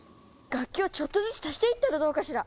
楽器をちょっとずつ足していったらどうかしら？